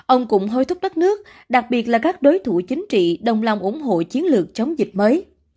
ông cũng hối thúc đất nước đặc biệt là các đối thủ chính trị đồng lòng ủng hộ chiến lược chống dịch mới